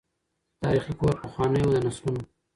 تاریخي کور پخوانی وو د نسلونو